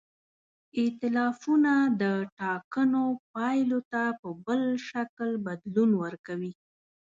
ایتلافونه د ټاکنو پایلو ته په بل شکل بدلون ورکوي.